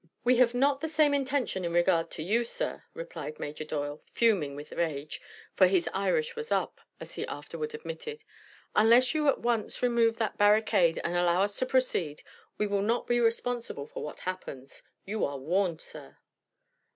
"We have not the same intention in regard to you, sir," replied Major Doyle, fuming with rage, for his "Irish was up," as he afterward admitted. "Unless you at once remove that barricade and allow us to proceed we will not be responsible for what happens. You are warned, sir!"